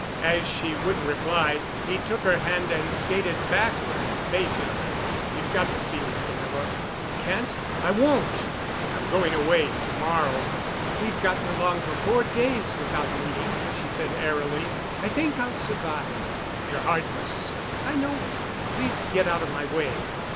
As she wouldn't reply, he took her hand and skated backward facing her. "You've got to see me, Camilla——" "I can't—I won't." "I'm going away to morrow." "We've gotten along for four days without meeting," she said airily. "I think I'll survive." "You're heartless——" "I know it. Please get out of my way."